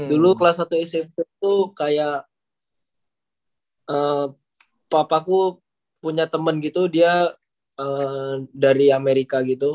dulu kelas satu smp itu kayak papaku punya teman gitu dia dari amerika gitu